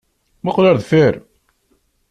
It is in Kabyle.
Muqqel ar deffir!